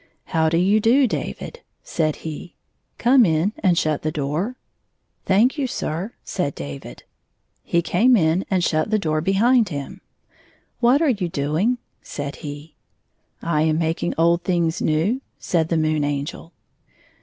"How do you do, David?" said he. ''Come in and shut the door." 68 He was standing at an open window. I "Thank you, sir," said David. He came in and shut the door behind him. " What are you doing ?" said he. " I am making old things new," said the Moon Angel.